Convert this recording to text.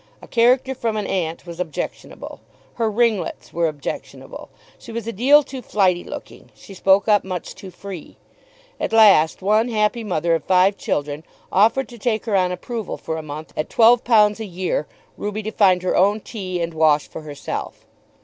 A character from an aunt was objectionable. Her ringlets were objectionable. She was a deal too flighty looking. She spoke up much too free. At last one happy mother of five children offered to take her on approval for a month, at £12 a year, Ruby to find her own tea and wash for herself.